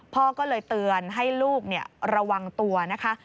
พ่อก็เลยเตือนให้ลูกระวังตัวนะคะ